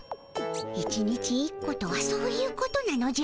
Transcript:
１日１個とはそういうことなのじゃ。